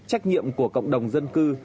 trách nhiệm của cộng đồng dân cư